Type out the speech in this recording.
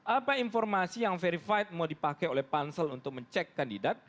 apa informasi yang verified mau dipakai oleh pansel untuk mencek kandidat